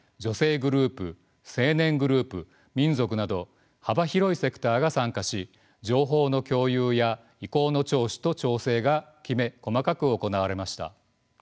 グループ青年グループ民族など幅広いセクターが参加し情報の共有や意向の聴取と調整がきめ細かく行われました。